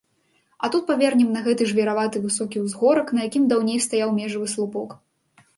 А тут павернем на гэты жвіраваты высокі ўзгорак, на якім даўней стаяў межавы слупок.